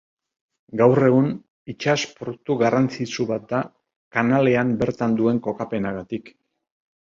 Gaur egun, itsas-portu garrantzitsu bat da, Kanalean bertan duen kokapenagatik.